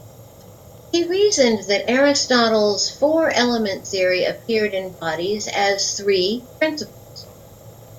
He reasoned that Aristotle's four element theory appeared in bodies as three principles.